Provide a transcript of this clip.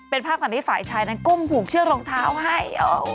เป็นภาพตอนที่ฝ่ายชายนั้นก้มผูกเชือกรองเท้าให้